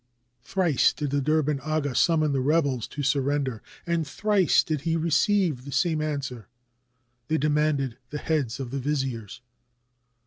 Thrice did the Derben aga summon the rebels to sur render, and thrice did he receive the same answer. They demanded the heads of the viziers.